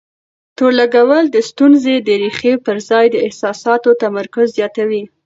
تور لګول د ستونزې د ريښې پر ځای د احساساتو تمرکز زياتوي.